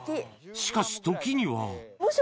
しかし時には無色！